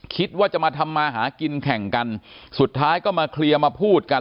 คิดว่าจะมาทำมาหากินแข่งกันสุดท้ายก็มาเคลียร์มาพูดกัน